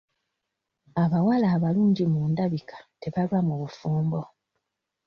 Abawala abalungi mu ndabika tebalwa mu bufumbo.